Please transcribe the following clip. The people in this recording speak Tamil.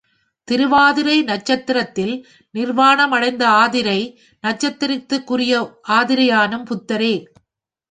திருவாதிரை நட்சத்திரத்தில் நிர்வாணம் அடைந்த ஆதிரை நட்சத்திரத்திற்கு உரிய ஆதிரையானும் புத்தரே.